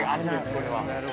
これは。